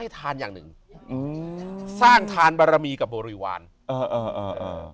ทานอย่างหนึ่งอืมสร้างทานบารมีกับบริวารเออเออเออ